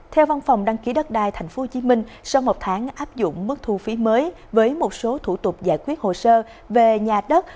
theo văn phòng đăng ký đất đai tp hcm sau một tháng áp dụng mức thu phí mới với một số thủ tục giải quyết hồ sơ về nhà đất